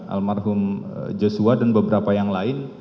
almarhum joshua dan beberapa yang lain